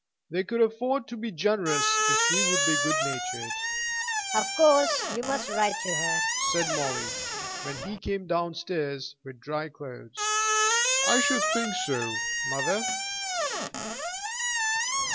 They could afford to be generous if he would be good natured. "Of course you must write to her," said Molly, when he came down stairs with dry clothes. "I should think so, mother."